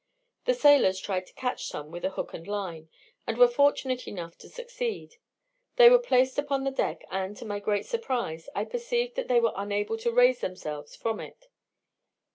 The sailors tried to catch some with a hook and line, and were fortunate enough to succeed. They were placed upon the deck, and, to my great surprise, I perceived that they were unable to raise themselves from it.